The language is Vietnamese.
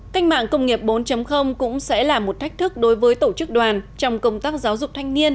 cách mạng công nghiệp bốn cũng sẽ là một thách thức đối với tổ chức đoàn trong công tác giáo dục thanh niên